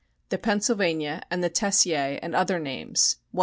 The Pennsylvania and the Tessier and other names 100,000,000.